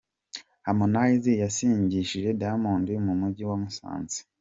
Harmonize yasingije Diamond mu Mujyi wa Musanze.